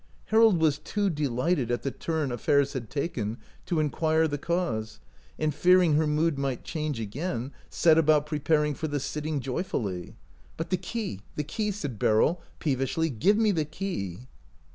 Harold was too delighted at the turn affairs had taken to inquire the cause, and, fearing her mood might change again, set about preparing for the sitting joyfully. " But the key, the key !" said Beryl, peev ishly ;" give me the key."